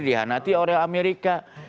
dihianati oleh amerika